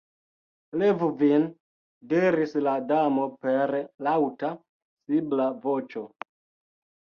"Levu vin," diris la Damo per laŭta, sibla voĉo.